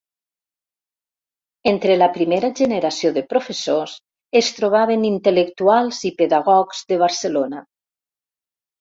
Entre la primera generació de professors es trobaven Intel·lectuals i pedagogs de Barcelona.